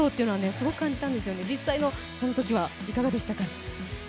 すごく感じたんですよね、実際にはそのときはいかがでしたか？